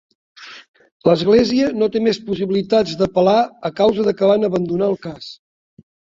L'església no té més possibilitats d'apel·lar a causa de que van abandonar el cas.